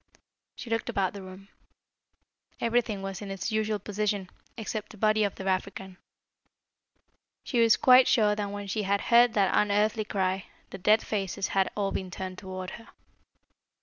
She looked about the room. Everything was in its usual position, except the body of the African. She was quite sure that when she had head that unearthly cry, the dead faces had all been turned towards her.